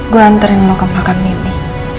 gue anterin lu ke makam nindi